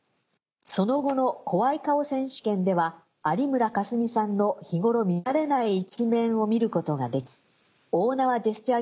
その後の怖い顔選手権では有村架純さんの日頃見られない一面を見ることができ大縄ジェスチャー